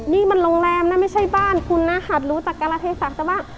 นี่มันโรงแรมน่ะไม่ใช่บ้านคุณนะหารู้จากกรเทศาสตร์แต่ว่า